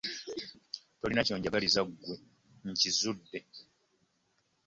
Tolina ky'onjagaliza ggwe nkizudde.